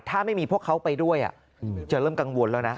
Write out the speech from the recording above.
ถ้าไม่มีพวกเขาไปด้วยจะเริ่มกังวลแล้วนะ